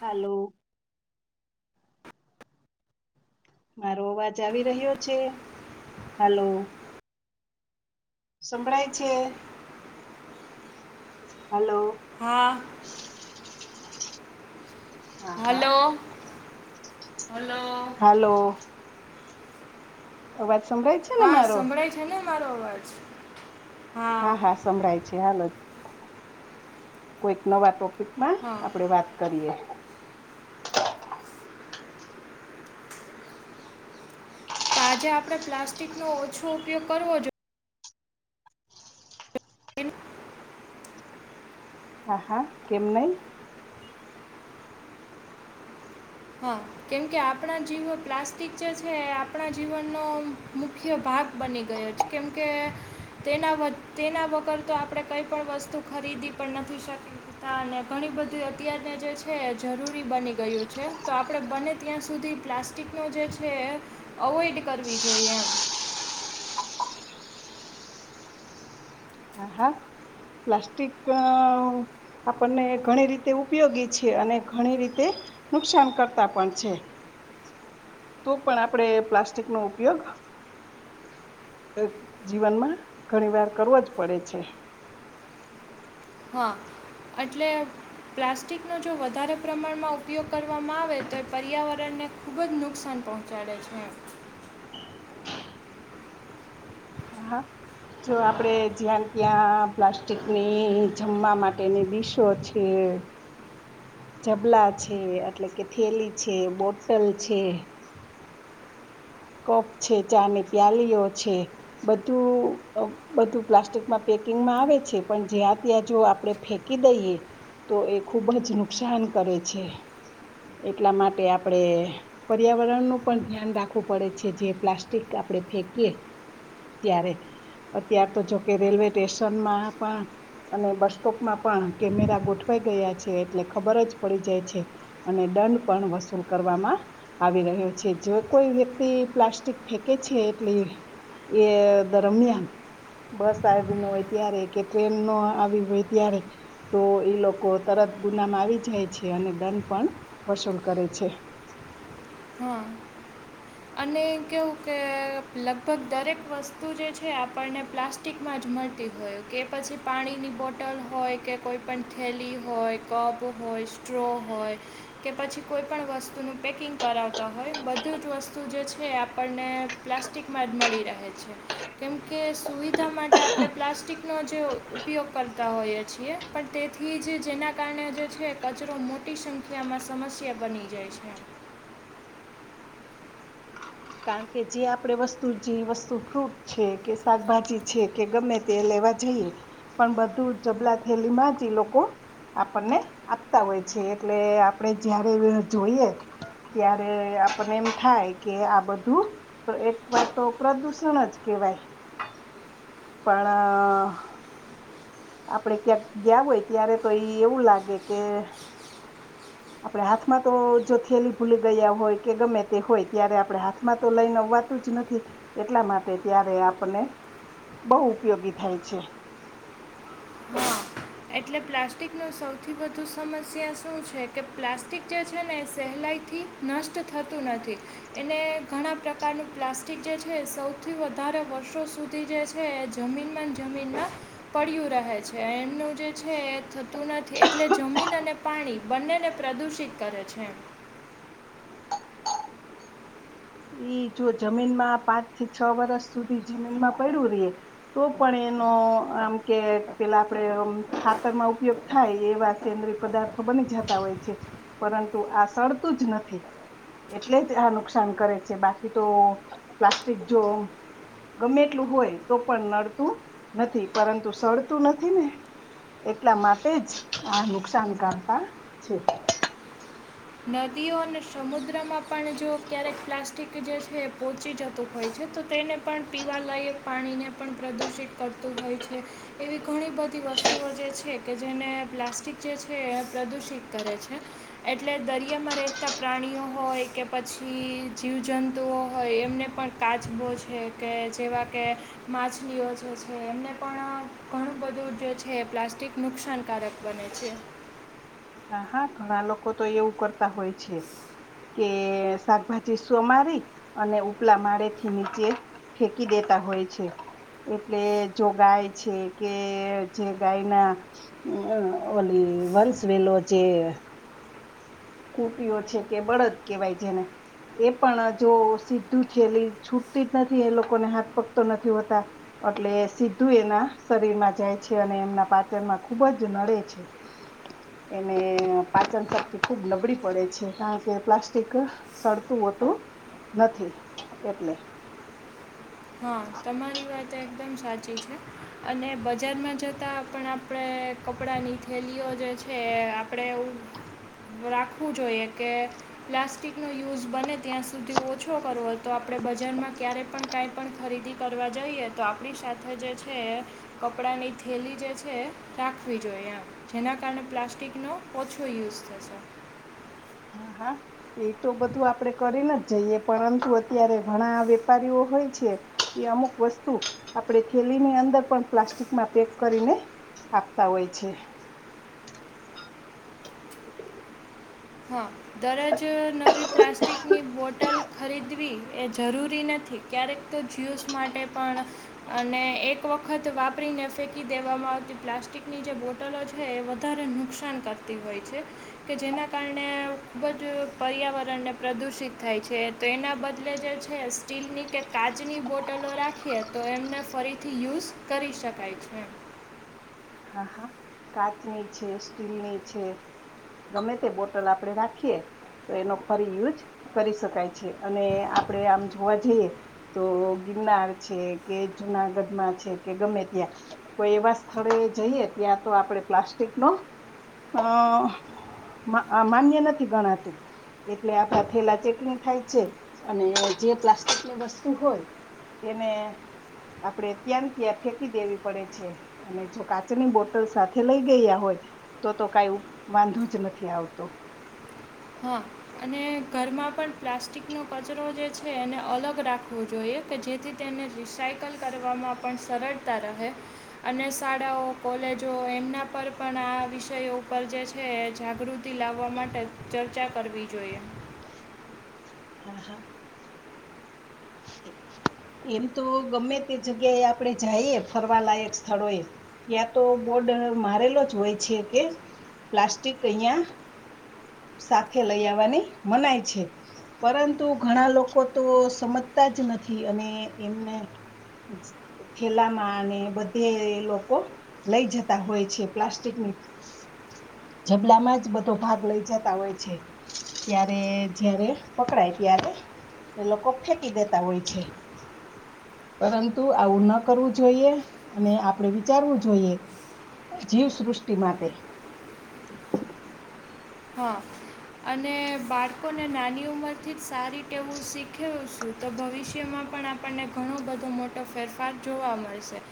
Hello. મારો અવાજ આવી રહ્યો છે હાલો. સંભળાય છે. હાલો. હા. હા હા હાલો હાલો. હાલો. અવાજ સંભળાય છે. ને હા મારો સંભળાય છે ને મારો અવાજ. હા હા સંભળાય છે હાલો કોઈક નવા ટોપિકમાં. હા. આપણે તો વાત કરીએ. તો આજે આપણે પ્લાસ્ટિકનો ઓછો ઉપયોગ કરવો જોઈએ. હા હા કેમ નઈ. હા કેમકે આપણા જીવો પ્લાસ્ટિક જે છે એ આપણા જીવનનો મુખ્ય ભાગ બની ગયો છે. કેમ કે, તે તેના વગર તો આપણે કઈ પણ વસ્તુ ખરીદી પણ નથી શકી, હાને, ઘણી બધી અત્યાર ના જે છે, એ જરૂરી બની ગયું છે. તો આપણે બને ત્યાં સુધી પ્લાસ્ટિકનો જે છે એ અવોઈડ કરવી જોઈએ એમ, હહા પ્લાસ્ટિક આપણને ઘણી રીતે ઉપયોગી છે અને ઘણી રીતે, નુકસાન કરતા પણ છે તો પણ આપણેે પ્લાસ્ટિક નો ઉપયોગ, જીવનમાં ઘણી વાર કરવો જ પડે છે. હા એટલે, પ્લાસ્ટિકનો જો વધારે પ્રમાણમાં ઉપયોગ કરવામાં આવે તો એ પર્યાવરણને, ખૂબ જ નુકસાન પહોંચાડે છે. હા. જો આપણે જ્યાં ત્યાં પ્લાસ્ટિકની જમવા માટેની ડીશો છે, ઝબલા છે એટલે કે થેલી છે બોટલ છે, કફ છે ચા ને પ્યાલીઓ છે બધું, બધું પ્લાસ્ટિકમાં પેકિંગમાં આવે છે પણ જ્યાં ત્યાં જો આપણે ફેકી દઈએ, તો એ ખુબ જ નુકસાન કરે છે. એટલા માટે આપડે પર્યાવરણ નું પણ ધ્યાન રાખવું, પડે છે જે પ્લાસ્ટિક આપણે ફેંકીએ ત્યારે, અત્યાર તો જોકે રેલવે સ્ટેશન માં પણ, અને બસ સ્ટોપમાં પણ કેમેરા ગોઠવાઈ ગયા છે એટલે ખબર જ પડી જાય છે. અને દંડ પણ વસૂલ કરવામાં આવી રહ્યો છે. જો કોઈ વ્યક્તિ પ્લાસ્ટિક ફેંકે છે એટલે એ દરમિયાન, બસ આવી ન હોય ત્યારે કે ટ્રેન ન આવી હોય ત્યારે, તો એ લોકો તરત ગુનામાં આવી જાય છે, અને દંડ પણ વસૂલ કરે છે. હા. અને કેવું કે લગભગ દરેક વસ્તુ જે છે આપણને પ્લાસ્ટિક, પાસ્ટિકમાં જ મળતી હોય કે પછી પાણીની બોટલ હોય કે કોઈપણ થેલી હોય કપ હોય સ્ટ્રો હોય કે પછી કોઈ પણ વસ્તુનું પેકિંગ કરાવતા હોય બધું જ વસ્તુ જે છે એ આપણને પ્લાસ્ટિકમાં જ મળી રહે છે. કેમકે સુવિધા માટે આપણે પ્લાસ્ટિકનો જે ઉપયોગ કરતા હોઈએ છીએ પણ તેથી જ જેના કારણે જે છે કચરો મોટી સંખ્યામાં સમસ્યા બની જાય છે કારણ કે જે આપણેે વસ્તુ જે વસ્તુ ફ્રૂટ છે કે શાકભાજી છે કે ગમે તે લેવા જઈએ પણ બધું જબલા થેલી માં જ લોકો આપણને આપતા હોય છે એટલે આપણેે જયારે જોઈએ ત્યારે આપણને એમ થાય કે આ બધું એક વાર તો પ્રદુષણ જ કેહેવાય પણ આપડે ક્યાંક ગયા હોય ત્યારે તો એ એવું લાગે કે આપણે હાથમાં તો જો થેલી ભૂલી ગયા હોય કે ગમે તે હોય ત્યારે આપડણે હાથ માં તો લઈને આવવાતું જ નથી એટલા માટે ત્યારે આપને બહુ ઉપયોગી થાય છે હા એટલે પ્લાસ્ટિકનો સૌથી વધુ સમસ્યા શું છે કે પ્લાસ્ટિક જે છે ને એ સહેલાઈથી નષ્ટ થતું નથી એને ઘણા પ્રકારનું પ્લાસ્ટિક જે છે સૌથી વધારે વર્ષો સુધી જે છે એ જમીન જમીનમાં પડય્યું રહે છે એમનું જે છે એ થતું નથી એટલે જમીન અને પાણી બંનેને પ્રદુષિત કરે છે ઈ જો જમીન માં પાંચ થી છ વરષ સુધી જમીનમાં પડ્યું રે તો પણ એનો આમ કે પેલા આપડે ખાતરમાં ઉપયોગ થાય એવા સેન્દ્ર પદાર્થો બની જતા હોય છે પરંતુ આ સરતું જ નથી એટલે જ આ નુકસાન કરે છે બાકી તો પ્લાસ્ટિક જો ગમે એટલું હોય તો પણ નડતું નથી પરંતુ સડતું નથી ને એટલા માટે જ આ નુકસાન કરતા છે. નદીઓ અને સમુદ્રમાં પણ જો ક્યારેક પ્લાસ્ટિક જે છે પહોચી જતું હોય છે તો તેને પણ પીવાલાયક પાણીને પણ પ્રદૂષિત કરતું હોય છે. એવી ઘણી બધી વસ્તુઓ જે છે કે જેને પ્લાસ્ટિક જે છે એ પ્રદૂષિત કરે છે. એટલે દરિયામાં રહેતા પ્રાણીઓ હોય કે પછી જીવજંતુઓ હોય એમને પણ કાચબો છે કે જેવા કે માછલીઓ જે છે એમને પણ ઘણું બધું જે છે પ્લાસ્ટિક નુકસાનકારક બન છે. હા હા ઘણા લોકો તો એવું કરતા હોય છે‌. કે શાકભાજી સોમારી અને ઉપલા માળે થી નીચે ફેકી દેતા હોય છે. એટલે જો ગાય છે કે જે ગાયના ઓલી વંસ વેલો જે. કૂટીઓ છે કે બળદ કહેવાય જેને એ પણ જો સીધું થયેલી છૂટતી જ નથી એ લોકોને હાથ પકતો નથી હોતા એટલે સીધું એના શરીરમાં જાય છે અને એમના પાચનમાં ખુબ જ નડે એને પાચન શક્તિ ખુબ નબળી પડે છે કારણ કે પ્લાસ્ટિક સડતું હતું નથી એટલે હા તમારી વાત એકદમ સાચી છે. અને બજારમાં જતા પણ આપડે કપડા ની થેલીઓ જે છે. આપણે એવું રાખવું જોઈએ કે પ્લાસ્ટિકનો યુઝ બને ત્યાં સુધી ઓછો કરવો તો આપણે બજારમાં ક્યારેય પણ કાંઈ પણ ખરીદી કરવા જઈએ તો આપણી સાથે જે છે. કપડાની થેલી જે છે રાખવી જોઈએ આમ જેના કારણે પ્લાસ્ટિકનો ઓછો યુઝ થશે હા હા. એ તો બધું આપડે કરીને જ જઈએ પરંતુ અત્યારે ઘણાં વેપારીઓ હોય છે. એ અમુક વસ્તુ આપણેે થેલીની અંદર પણ પ્લાસ્ટિકમાં પેક કરીને આપતાં હોય છે. હા. દરજ નવી પ્લાસ્ટિકની બોટલ ખરીદવી એ જરૂરી નથી. ક્યારેક તો જ્યુસ માટે પણ અને એક વખત વાપરીને ફેંકી દેવામાં આવતી પ્લાસ્ટિકની જે બો ટલો છે એ વધારે નુકસાન કરતી હોય છે કે જેના કારણે ખૂબ જ પર્યાવરણને પ્રદુષિત થાય છે તો એના બદલે જે છે સ્ટીલની કે કાચની બોટલો રાખીએ તો એમને ફરીથી યુઝ કરી શકાય છે. હા હા. કાચની છે સ્ટીલની છે ગમે તે બોટલ આપડે રાખીએ. તો એનો ફરી યુજ કરી શકાય છે અને આપણેે આમ જોવા જઈએ તો ગિરનાર છે કે જુનાગઢમાં છે કે ગમે ત્યાં કોઈ એવા સ્થળોએ જઈએ ત્યાં તો આપણે પ્લાસ્ટિકનો અ મ માન્ય નથી ગણાતું. એટલે આપડા થેલા ચેકિંગ થાય છે અને જે પ્લાસ્ટિકની વસ્તુ હોય એને આપડે ત્યાંન ત્યાં ફેંકી દેવી પડે છે અને જો કાચની બો સાથે લઈ ગયા હોય તો તો કાઈ વાંધો જ નથી આવતો. હા અને ઘરમાં પણ પ્લાસ્ટિકનો કચરો જે છે એને અલગ રાખવો જોઈએ. કે જેથી તેને રિસાઈકલ કરવામાં પણ સરળતા રહે. અને શાળાઓ, કોલેજો એમના પર પણ આ વિષયો ઉપર જે છે જાગૃત તિ લાવવા માટે ચર્ચા કરવી જોઈએ. હા હા. એમ તો ગમે તે જગ્યાએ આપણેે જાઈએ ફરવાલાયક સ્થળોએ ત્યાં તો બોર્ડ મારેલો જ હોય છે કે પ્લાસ્ટિક અહિયાં સાથે લઈ આવાની મનાય છે. પરંતુ ઘણા લોકો તો સમજતા જ નથી અને એમને થેલામાં અને બધે લોકો લઈ જતાં હોય છે પ્લાસ્ટિકની ઝભલામાં જ બધો ભાગ લઈ જતાં હોય છે. ત્યારે જયારે પકડાય ત્યારે એ લોકો ફેંક કી દેતા હોય છે. પરંતુ આવું ન કરવું જોઈએ અને આપડે વિચારવું જોઈએ. જીવસૃષ્ટિ માટે. હા અને બાળકોને નાની ઉંમરથી જ સારી ટેવું શીખવશુ. તો ભવિષ્યમાં પણ આપણને ઘણો બધો મોટો ફેરફાર જોવા મળશે.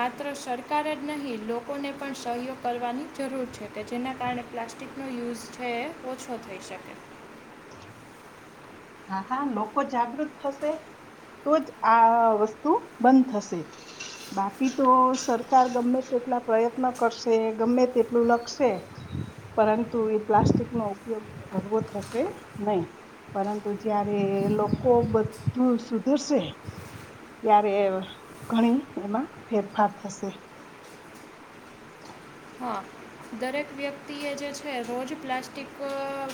માત્ર સરકાર જ નહીં લોકોને પણ સહયોગ કરવાની જરૂર છે કે જેના કારણે પ્લાસ્ટિ સ્ટિકનો યુઝ છે એ ઓછો થઈ શકે. હા હા લોકો જાગૃત થશે તોજ આ વસ્તુ બંધ થશે. બાકી તો સરકાર ગમે તેટલા પ્રયત્ન કરશે ગમે તેટલું લખશે. પરંતુ એ પ્લાસ્ટિકનો ઉપયોગ હળવો થશે નહીં પરં તુ જયારે એ લોકો બધું સુધરશે ત્યારે ઘણી એમાં ફેરફાર થશે. હા. દરેક વ્યક્તિએ જે છે રોજ પ્લાસ્ટિક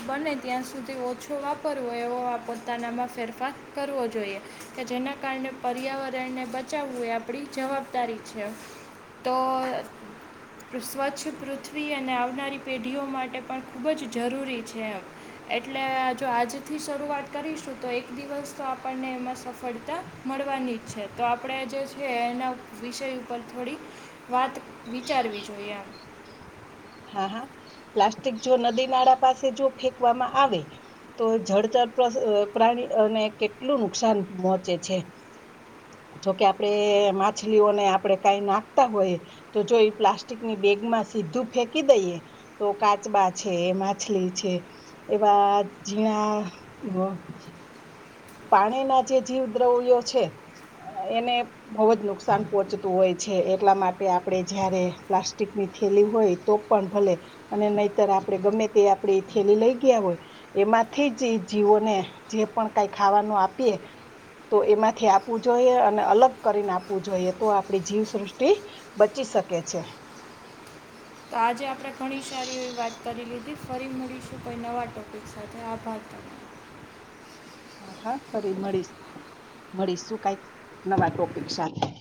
બને ત્યાં સુધી ઓછો વાપ રવો એવો આ પોતાનામાં ફેરફાર કરવો જોઈએ. કે જેના કારણે પર્યાવરણને બચાવવું એ આપડી જવાબદારી છે, તો સ્વચ્છ પૃથ્વી અને આવનારી પેઢીઓ માટે પણ ખૂબ જ જરૂરી છે, એમ એટલે જો આજથી શરૂઆત કરીશું, તો એક દિવસતો આપણને એમાં સફળતા મળવાની જ છે, તો આપણેજે છે, એના વિષય ઉપર થોડી. વાત વિચારવી જોઈએ એમ હા, હા પ્લાસ્ટિકજો નદી નાળા પાસેજો ફેંકવામાં આવે. તો જળતર પ્રાણી અને કેટલું નુકસાન પહોંચે છે, જોકે આપડે માછલીઓને આપડે કંઈ નાખતા હોય, તોજો એ પ્લાસ્ટિકની બેગ માં સીધું ફેંક કી દઈએ તો કાચબા છે, માછલી છે. એવા જીણા હો. પાણીના જે જીવ દ્રવ્યો છે, એને બહુ જ નુકસાન પહોંચતું હોય છે, એટલા માટે આપડે જયારે પ્લાસ્ટિકની થેલી હોય. તો પણ ભલે અને નહીંતર આપણે ગમે તે આપે થેલી લઈ ગયા હોય. એમાંથી જ જીવોને જે પણ કંઈ ખાવાનું આપીએ. તો એમાંથી આપવું જોઈએ અને અલગ કરીને આપવું જોઈએ, તો આપણી જીવસૃષ્ટિ બચી શકે છે, તો આજે આપણે ઘણી સારી એવી વાત કરી લીધી ફરી મળીશું, કોઈ નવા ટોપિક સાથે આભાર. તમારો હા, હા ફરી મળીશ મળીશું કંઈક નવા ટોપિક સાથે,